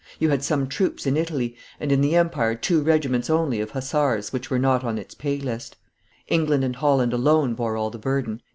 You had some troops in Italy, and in the empire two regiments only of hussars which were not on its pay list; England and Holland alone bore all the burden."